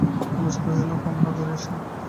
রমেশ কহিল, কমলা, ঘরে এসো।